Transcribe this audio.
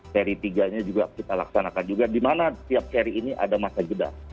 seri tiga nya juga kita laksanakan juga di mana tiap seri ini ada masa jeda